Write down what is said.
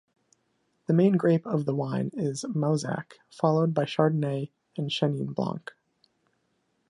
The main grape of the wine is Mauzac, followed by Chardonnay and Chenin blanc.